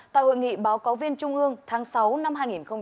tại hội nghị báo cáo viên trung ương tháng sáu năm hai nghìn hai mươi